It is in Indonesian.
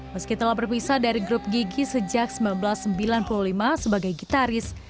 meski telah berpisah dari grup gigi sejak seribu sembilan ratus sembilan puluh lima sebagai gitaris